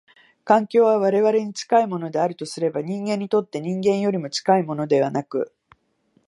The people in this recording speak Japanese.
環境は我々に近いものであるとすれば、人間にとって人間よりも近いものはなく、